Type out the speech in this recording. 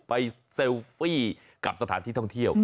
เซลฟี่กับสถานที่ท่องเที่ยว